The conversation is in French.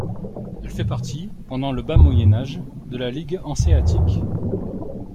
Elle fait partie pendant le Bas Moyen Âge de la Ligue hanséatique.